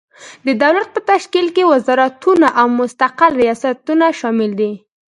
د دولت په تشکیل کې وزارتونه او مستقل ریاستونه شامل دي.